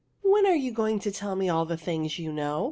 '' When are you going to tell me all the things you know